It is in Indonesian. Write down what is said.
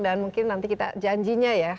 dan mungkin nanti kita janjinya ya